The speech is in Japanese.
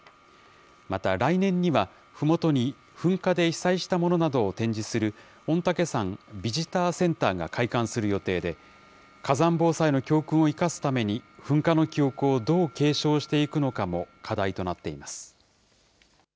また、来年にはふもとに噴火で被災したものなどを展示する、御嶽山ビジターセンターが開館する予定で、火山防災の教訓を生かすために、噴火の記憶をどう継承していくのかも課題となっています。